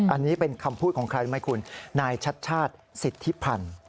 อันนี้เป็นคำพูดของใครรู้ไหมคุณนายชัดชาติสิทธิพันธ์